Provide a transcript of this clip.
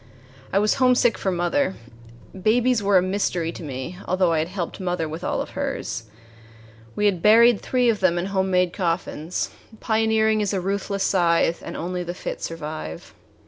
I was homesick for mother. Babies were a mystery to me, although I had helped mother with all of hers. We had buried three of them in homemade coffins pioneering is a ruthless scythe, and only the fit survive.